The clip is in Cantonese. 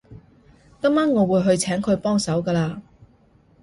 今晚我會去請佢幫手㗎喇